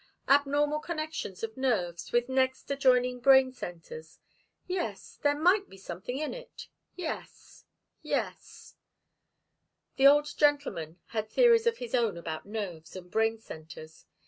"Abnormal connections of nerves with next adjoining brain centres yes there might be something in it yes yes " The old gentleman had theories of his own about nerves and brain centres.